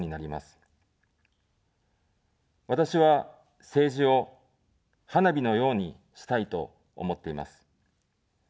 私は、政治を花火のようにしたいと思っています。